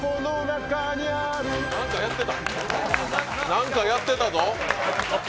何かやってたぞ！？